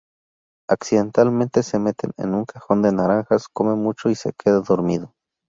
Accidentalmente se mete en un cajón de naranjas, come mucho y se queda dormido.